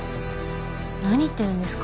何言ってるんですか？